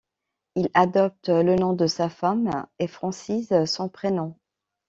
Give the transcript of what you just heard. Il adopte le nom de sa femme et francise son prénom.